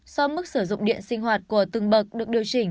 so với mức sử dụng điện sinh hoạt của từng bậc được điều chỉnh